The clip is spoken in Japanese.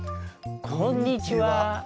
こんにちは。